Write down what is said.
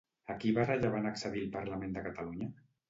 A qui va rellevar en accedir al Parlament de Catalunya?